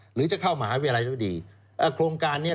หรือจะเข้ามหาวิทยาลัยก็ดี